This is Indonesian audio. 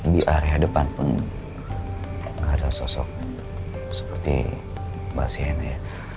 di area depan pun gak ada sosok seperti mbak sienna ya